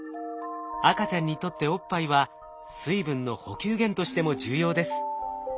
赤ちゃんにとっておっぱいは水分の補給源としても重要です。